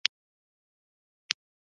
آزاد تجارت مهم دی ځکه چې ټولنه قوي کوي.